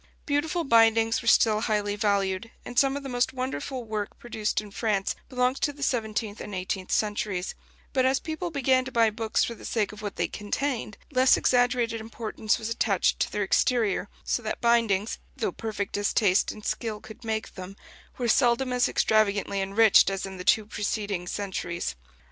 Beautiful bindings were still highly valued, and some of the most wonderful work produced in France belongs to the seventeenth and eighteenth centuries; but as people began to buy books for the sake of what they contained, less exaggerated importance was attached to their exterior, so that bindings, though perfect as taste and skill could make them, were seldom as extravagantly enriched as in the two preceding centuries.